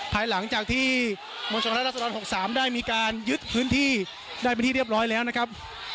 ภายหลังจากที่มวลชนรัฐสดร๖๓ได้มีการยึดพื้นที่ได้เป็นที่เรียบร้อยแล้วนะครับ